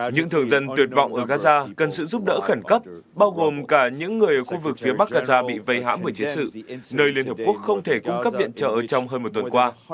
những thường dân tuyệt vọng ở gaza cần sự giúp đỡ khẩn cấp bao gồm cả những người ở khu vực phía bắc gaza bị vây hãm bởi chiến sự nơi liên hợp quốc không thể cung cấp viện trợ trong hơn một tuần qua